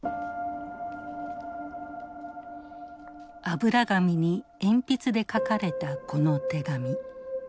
油紙に鉛筆で書かれたこの手紙。